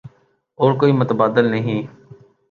اور کوئی متبادل نہیں۔